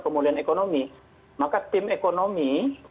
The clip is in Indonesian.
pemulihan ekonomi maka tim ekonomi